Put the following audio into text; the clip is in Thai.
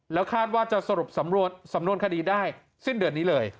แล้วคาดว่าจะสรุปสำนวนคดีได้สิ้นเดือนนี้เลย